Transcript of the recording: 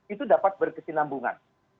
itu dapat berkesinambungan